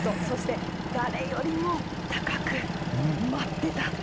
そして誰よりも高く舞っていた。